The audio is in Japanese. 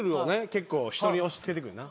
結構人に押し付けてくるな。